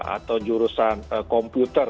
atau jurusan komputer